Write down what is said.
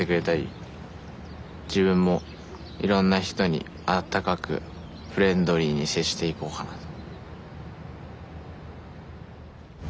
自分もいろんな人に温かくフレンドリーに接していこうかなと。